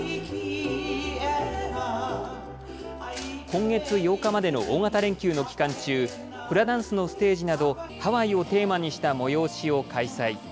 今月８日までの大型連休の期間中、フラダンスのステージなどハワイをテーマにした催しを開催。